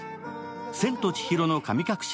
「千と千尋の神隠し」